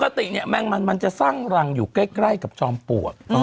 ปกติเนี่ยแมงมันมันจะสร้างรังอยู่ใกล้กับจอมปลวก